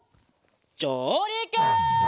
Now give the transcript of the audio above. じょうりく！